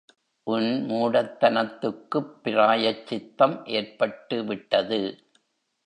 உன் மூடத்தனத்துக்குப் பிராயச்சித்தம் ஏற்பட்டுவிட்டது.